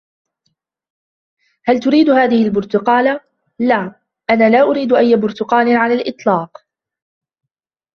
هل تريد هذهِ البرتقالة؟ "لا, أنا لا أريد أي برتقال على الإطلاق."